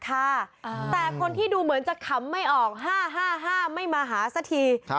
แต่คนที่ดูเหมือนจะขำไม่ออก๕๕ไม่มาหาสักที